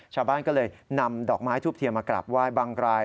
ชาวบ้านก็เลยนำดอกไม้ทูบเทียนมากราบไหว้บางราย